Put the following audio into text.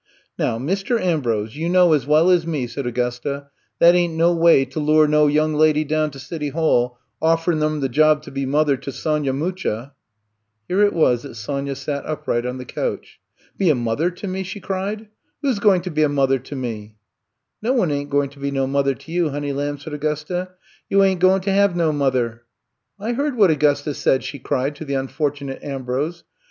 Now, Mr. Ambrose, you know as well I'VE COME TO STAY 67 as me,'* said Augusta, that ain^t no way to lure no young lady down to City Hall, offerin' 'em the job to be mother to Sonya Mucha/' Here it was that Sonya sat upright on the couch. Be a mother to mel*' she cried. Who 's going to be a mother to met'* No one ain't goin' to be no mother to you, honey lamb,'' said Augusta. You ain't goin' to have no mother." I heard what Augusta said," she cried to the unfortunate Ambrose.